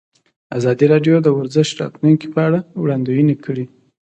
ازادي راډیو د ورزش د راتلونکې په اړه وړاندوینې کړې.